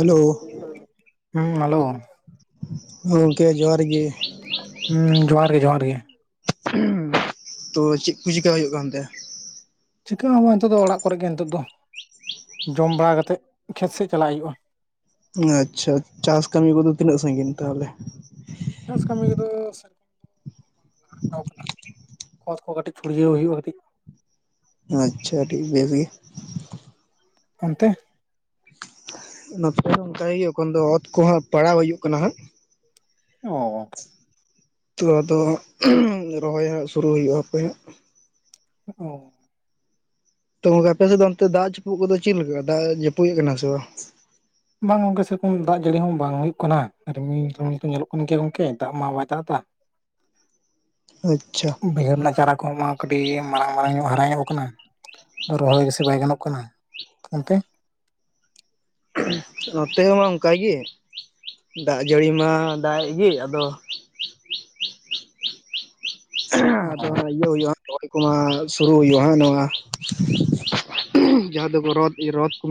Hello ᱮ hello ᱦᱚᱸ ᱜᱚᱝᱠᱮ ᱡᱚᱦᱟᱨ ᱜᱮ ᱦᱩᱸ ᱡᱚᱦᱟᱨᱜᱮ ᱡᱚᱦᱟᱨ ᱜᱮ ᱩᱦ ᱛᱳ ᱪᱮᱜ ᱠᱚ ᱪᱤᱠᱟ ᱦᱚᱭᱳᱜ ᱠᱟᱱ ᱛᱮ ᱪᱤᱠᱟᱹ ᱦᱚ ᱵᱟᱝ ᱱᱤᱛᱚᱜ ᱫᱚ ᱚᱲᱟᱜ ᱠᱚᱨᱮ ᱜᱮ ᱱᱤᱛᱚᱜ ᱫᱚ ᱡᱚᱢ ᱵᱟᱲᱟ ᱠᱟᱛᱮᱫ ᱠᱷᱮᱛ ᱥᱮᱜ ᱪᱟᱞᱟᱜ ᱦᱩᱭᱩᱜᱼᱟ ᱦᱩᱸ ᱟᱪᱪᱷᱟ ᱪᱟᱥ ᱠᱟᱹᱢᱤ ᱠᱚᱫᱚ ᱛᱤᱱᱟᱹᱜ ᱥᱟᱺᱜᱤᱧ ᱛᱟᱦᱚᱞᱮ ᱪᱟᱥ ᱠᱟᱹᱢᱤ ᱠᱚ ᱫᱚ ᱥᱮᱜ ᱚᱠ ᱚᱛ ᱠᱚ ᱠᱟᱹᱴᱤᱡ ᱯᱷᱩᱨᱭᱟᱹᱭ ᱦᱩᱭᱩᱜᱼᱟ ᱠᱟᱹᱴᱤᱡ ᱟᱪᱪᱷᱟ ᱟᱹᱰᱤ ᱵᱮᱥ ᱜᱮ ᱚᱱᱛᱮ ᱱᱚᱛᱮ ᱫᱚ ᱚᱱᱠᱟᱜᱮ ᱮᱱᱠᱷᱟᱱ ᱫᱚ ᱚᱛ ᱠᱚᱦᱚᱸ ᱯᱟᱲᱟᱣ ᱦᱩᱭᱩᱜ ᱠᱟᱱᱟ ᱦᱟᱸᱜ ᱚᱻ ᱛᱩ ᱟᱫᱚ ᱩᱱᱤ ᱨᱚᱦᱚᱭ ᱦᱟᱸᱜ ᱥᱩᱨᱩ ᱦᱩᱭᱩᱜᱼᱟ ᱦᱟᱯᱮ ᱦᱟᱸᱜ ᱚ ᱛᱚ ᱜᱚᱢᱠᱮ ᱟᱯᱮ ᱥᱮᱫ ᱫᱚ ᱚᱱᱛᱮ ᱫᱟᱜ ᱡᱟ. ᱯᱩᱫ ᱠᱚᱫᱚ ᱪᱮᱜ ᱞᱮᱠᱟ ᱫᱟᱜ ᱡᱟᱹᱯᱩᱜ ᱮ ᱠᱟᱱᱟ ᱥᱮ ᱵᱟᱝ ᱵᱟᱝ ᱜᱚᱝᱠᱮ ᱥᱮᱨᱚᱠᱚᱢ ᱫᱟᱜ ᱡᱟᱹᱲᱤ ᱦᱚᱸ ᱵᱟᱝ ᱦᱩᱭᱩᱜ ᱠᱟᱱᱟ ᱨᱤᱢᱤᱞ ᱨᱤᱢᱤᱞ ᱧᱮᱞᱚᱜ ᱠᱟᱱᱟ ᱜᱚᱝᱠᱮ ᱜᱚᱝᱠᱮ ᱫᱟᱜ ᱢᱟ ᱵᱟᱭ ᱫᱟᱜ ᱫᱟ ᱟᱪᱪᱷᱟ ᱵᱟᱹᱭᱦᱟᱹᱲ ᱨᱮᱱᱟᱜ ᱪᱟᱨᱟ ᱠᱚᱦᱚᱸ ᱢᱟ ᱠᱟᱹᱴᱤᱡ ᱢᱟᱨᱟᱝ ᱢᱟᱨᱟᱝ ᱧᱚᱜ ᱦᱟᱨᱟ ᱧᱮᱞᱚᱜ ᱠᱟᱱᱟ ᱨᱚᱦᱚᱭ ᱜᱮᱥᱮ ᱵᱟᱭ ᱜᱟᱱᱚᱜ ᱠᱟᱱᱟ ᱚᱱᱛᱮ ᱱᱚᱛᱮ ᱦᱚ ᱚᱱᱠᱟ ᱜᱤ ᱫᱟᱜ ᱡᱟᱹᱲᱤ ᱢᱟ ᱫᱟᱜᱮᱜ ᱜᱤ ᱟᱫᱚ ᱚ ᱟᱫᱚ ᱤᱭᱟᱹ ᱦᱩᱭᱩᱜᱼᱟ ᱚᱭ ᱠᱚᱢᱟ ᱥᱩᱨᱩ ᱦᱩᱭᱩᱜᱼᱟ ᱦᱟᱜ ᱱᱚᱣᱟ ᱡᱟᱦᱟᱸ ᱫᱚᱠᱚ ᱨᱚᱛ ᱨᱚᱛ ᱠᱚ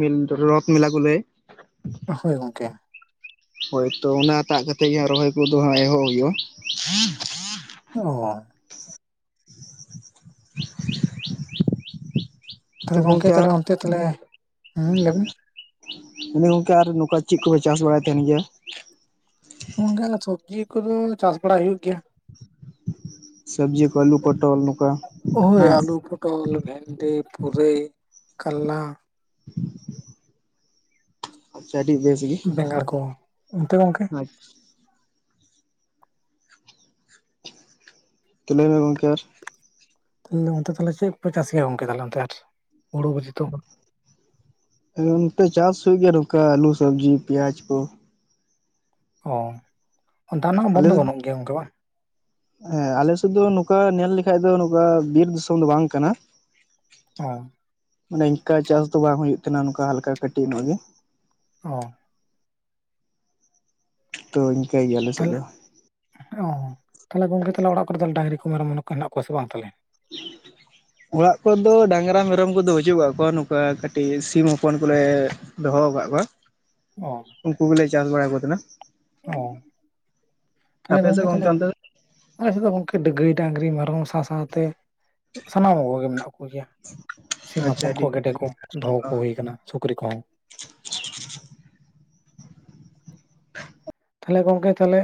ᱨᱚᱛ ᱢᱮᱞᱟ ᱠᱚ ᱞᱟᱹᱭ ᱦᱳᱭ ᱜᱚᱝᱠᱮ ᱦᱳᱭᱛᱚ ᱚᱱᱟ ᱴᱟᱜ ᱠᱟᱛᱮᱜ ᱜᱮ ᱦᱟᱸᱜ ᱨᱚᱦᱚᱭ ᱠᱚᱫᱚ ᱦᱟᱸᱜ ᱮᱦᱚᱜ ᱦᱩᱭᱩᱜᱼᱟ ᱚ ᱛᱚ ᱛᱟᱦᱞᱮ ᱜᱚᱝᱠᱮ ᱟᱨ ᱛᱟᱦᱞᱮ ᱚᱱᱛᱮ ᱛᱟᱦᱞᱮ ᱦᱩᱸ ᱞᱟᱹᱭ ᱵᱤᱱ [inaudible] ᱜᱚᱝᱠᱮ ᱟᱨ ᱱᱚᱝᱠᱟ ᱪᱤᱜ ᱠᱚᱯᱮ ᱪᱟᱥ ᱵᱟᱲᱟᱭ ᱛᱟᱦᱮᱱ ᱜᱮᱭᱟ ᱩᱱ ᱜᱟᱞᱟᱠ ᱥᱚᱵᱽᱡᱤ ᱠᱚᱫᱚ ᱪᱟᱥ ᱵᱟᱲᱟᱭ ᱦᱩᱭᱩᱜ ᱜᱮᱭᱟ ᱥᱚᱵᱽᱡᱤ ᱠᱚ ᱟᱞᱩ ᱯᱚᱴᱚᱞ ᱱᱚᱝᱠᱟ ᱳᱭ ᱦᱟᱹ ᱟᱹᱞᱩ ᱯᱚᱴᱚᱞ ᱵᱷᱮᱱᱰᱤ ᱯᱩᱨᱟᱹᱭ ᱠᱟᱹᱞᱞᱟ ᱟᱪᱪᱷᱟ ᱟᱹᱰᱤ ᱵᱮᱥ ᱜᱮ ᱵᱮᱸᱜᱟᱲ ᱠᱚ ᱚᱱᱛᱮ ᱜᱚᱝᱠᱮ ᱟᱯᱷ [unintelligible] ᱛᱚ [unintelligible] ᱞᱟᱹᱭ ᱢᱮ ᱜᱚᱢᱠᱮ ᱟᱨ ᱚᱱᱛᱮ ᱛᱟᱦᱞᱮ ᱪᱮᱫ ᱠᱚᱯᱮ ᱪᱟᱥ ᱜᱮᱭᱟ ᱜᱚᱝᱠᱮ ᱛᱟᱦᱞᱮ ᱟᱨ ᱦᱩᱲᱩ ᱱᱚᱛᱮ ᱪᱟᱥ ᱦᱩᱭᱩᱜ ᱜᱮᱭᱟ ᱱᱚᱝᱠᱟ ᱟᱞᱩ ᱥᱚᱵᱽᱡᱤ ᱯᱮᱸᱭᱟᱡᱽ ᱠᱚ ᱚ ᱫᱟᱜ ᱨᱮᱱᱟᱜ ᱚᱵᱷᱟᱵᱽ ᱟᱞᱮ ᱫᱚ ᱵᱟᱹᱱᱩᱜ ᱜᱮᱭᱟ ᱚᱱᱠᱟ ᱵᱟᱝ ᱦᱮᱸ ᱟᱞᱮ ᱥᱮᱫ ᱫᱚ ᱱᱚᱝᱠᱟ ᱧᱮᱞ ᱞᱮᱠᱷᱟᱡ ᱫᱚ ᱱᱚᱝᱠᱟ ᱵᱤᱨ ᱫᱤᱥᱚᱢ ᱫᱚ ᱵᱟᱝ ᱠᱟᱱᱟ ᱦᱸᱚ [unintelligible] ᱢᱟᱱᱮ ᱤᱱᱠᱟ ᱪᱟᱥ ᱫᱚ ᱵᱟᱝ ᱦᱩᱭᱩᱜ ᱠᱟᱱᱟ ᱱᱚᱝᱠᱟ ᱦᱟᱞᱠᱟ ᱠᱟᱹᱴᱤᱡ ᱧᱚᱜ ᱜᱮ ᱚ ᱛᱚ ᱤᱱᱠᱟᱹ ᱜᱮᱭᱟ ᱟᱞᱮᱥᱮᱫ ᱫᱚ ᱚᱻ ᱛᱟᱦᱚᱞᱮ ᱜᱚᱝᱠᱮ ᱛᱟᱦᱞᱮ ᱚᱲᱟᱜ ᱠᱚᱨᱮ ᱰᱟᱝᱨᱤ ᱠᱚ ᱢᱮᱨᱚᱢ ᱠᱚ ᱦᱮᱱᱟᱜ ᱠᱚᱣᱟ ᱥᱮ ᱵᱟᱝ ᱛᱟᱦᱚᱞᱮ ᱦ [unintelligible] ᱚᱲᱟᱜ ᱠᱚ ᱫᱚ ᱰᱟᱝᱨᱟ ᱢᱮᱨᱚᱢ ᱠᱚᱫᱚ ᱵᱟᱹᱪᱩᱜ ᱟᱠᱟᱫ ᱠᱚᱣᱟ ᱱᱚᱝᱠᱟ ᱠᱟᱹᱴᱤᱡ ᱥᱤᱢ ᱦᱚᱯᱚᱱ ᱠᱚᱞᱮ ᱫᱚᱦᱚ ᱟᱠᱟᱫ ᱠᱚᱣᱟ ᱚ ᱩᱱᱠᱩ ᱜᱮᱞᱮ ᱪᱟᱥ ᱵᱟᱲᱟ ᱟᱠᱚ ᱛᱟᱦᱮᱱᱟ ᱚ ᱛᱟᱦᱮᱞᱮ ᱟᱯᱮ ᱥᱮᱫ ᱜᱚᱝᱠᱮ ᱛᱟᱦᱞᱮ ᱚᱱᱛᱮ ᱫᱚ ᱟᱞᱮ ᱥᱮᱫ ᱫᱚ ᱜᱚᱢᱠᱮ ᱜᱟᱹᱭ ᱰᱟᱝᱨᱤ ᱢᱮᱨᱚᱢ ᱥᱟᱶ ᱥᱟᱶᱛᱮ ᱥᱟᱱᱟᱢ ᱠᱚᱜᱮ ᱢᱮᱱᱟᱜ ᱠᱚᱣᱟ ᱜᱮ ᱥᱤᱢ ᱟᱪᱪᱷᱟ ᱦᱚᱯᱚᱱ ᱟᱹᱰᱤ ᱠᱚ ᱜᱮᱰᱮ ᱠᱚ ᱵᱷᱟᱹᱜᱤ ᱫᱚᱦᱚ ᱠᱚ ᱦᱩᱭ ᱟᱠᱟᱱᱟ ᱥᱩᱠᱨᱤ ᱠᱚᱦᱚᱸ ᱛᱟᱦᱞᱮ ᱜᱚᱝᱠᱮ ᱛᱟᱦᱚᱞᱮ